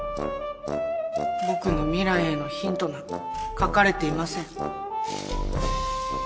僕の未来へのヒントが書かれていません。